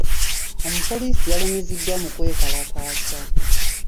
Omupoliisi yalumiziddwa mu kwe kalakaasa.